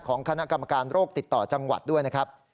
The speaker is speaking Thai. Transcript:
คณะกรรมการโรคติดต่อจังหวัดด้วยนะครับ